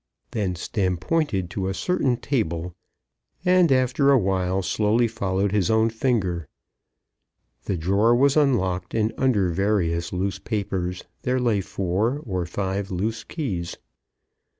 Then Stemm pointed to a certain table, and after a while slowly followed his own finger. The drawer was unlocked, and under various loose papers there lay four or five loose keys.